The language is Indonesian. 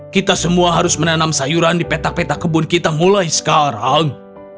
kita semua harus menanam sayuran di petak petak kebun kita mulai sekarang